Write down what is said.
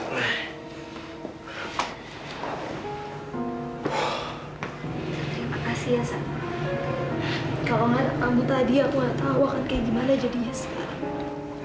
kalau gak ketemu tadi aku gak tau akan kayak gimana jadinya sekarang